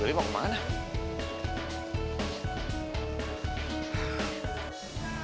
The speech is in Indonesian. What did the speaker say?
ini penting banget